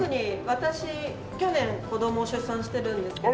私去年子供を出産してるんですけど。